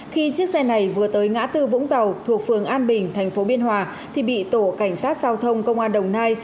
khi chiếc xe này vừa tới ngã tư vũng tàu thuộc phường an bình thành phố biên hòa thì bị tổ cảnh sát giao thông công an đồng nai